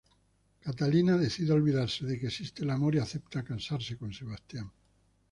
Catalina decide olvidarse de que existe el amor y acepta casarse con Sebastián.